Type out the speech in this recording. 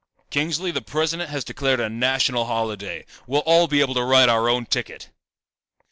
"Kingsley, the President has declared a national holiday. We'll all be able to write our own ticket."